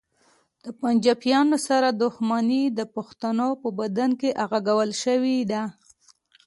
د پنجابیانو سره دښمني د پښتنو په بدن کې اغږل شوې ده